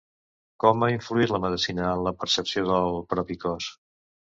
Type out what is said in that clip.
Com ha influït la medicina en la percepció del propi cos?